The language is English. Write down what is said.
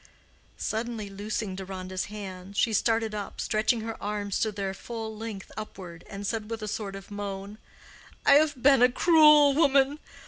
Suddenly loosing Deronda's hand, she started up, stretching her arms to their full length upward, and said with a sort of moan, "I have been a cruel woman!